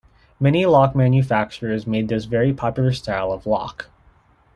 Many lock manufacturers made this very popular style of lock.